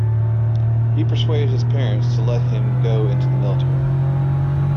He persuaded his parents to let him go into the military.